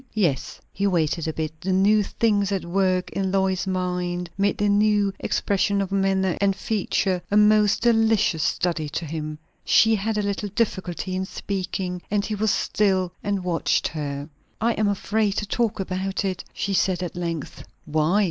"Yes." He waited a bit. The new things at work in Lois's mind made the new expression of manner and feature a most delicious study to him. She had a little difficulty in speaking, and he was still and watched her. "I am afraid to talk about it," she said at length, "Why?"